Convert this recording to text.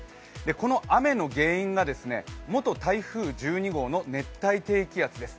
この雨の原因が元台風１２号の熱帯低気圧です。